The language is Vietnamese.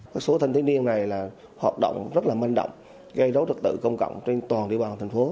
các số thanh thiếu niên này là hoạt động rất là mênh động gây rốt trật tự công cộng trên toàn địa bàn thành phố